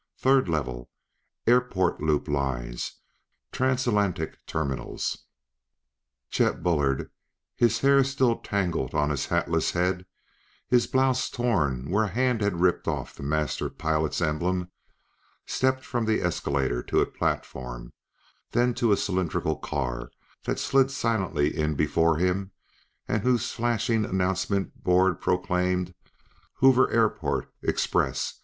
Third Level; Airport Loop Lines; Transatlantic Terminals " Chet Bullard, his hair still tangled on his hatless head, his blouse torn where a hand had ripped off the Master Pilot's emblem, stepped from the escalator to a platform, then to a cylindrical car that slid silently in before him and whose flashing announcement board proclaimed: "_Hoover Airport Express.